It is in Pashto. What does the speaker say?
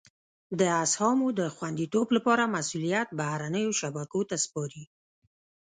د اسهامو د خوندیتوب لپاره مسولیت بهرنیو شبکو ته سپاري.